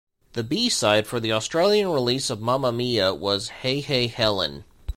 The B-side for the Australian release of "Mamma Mia" was "Hey, Hey Helen".